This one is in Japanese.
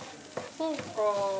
そうか。